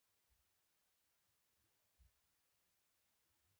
محلي روغتیايي ادارو د طرحې د سبوتاژ هڅه کوله.